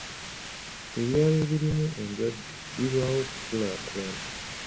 Ebyalo ebirimu endwadde birwawo okukulaakulana.